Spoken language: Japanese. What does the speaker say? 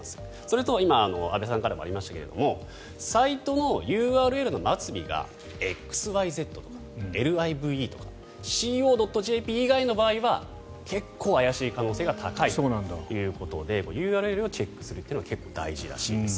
あとは今安部さんからもありましたがサイトのＵＲＬの末尾が「ｘｙｚ」とか「ｌｉｖｅ」とか「ｃｏ．ｊｐ」以外の場合は結構怪しい可能性が高いということでＵＲＬをチェックするのは大事らしいです。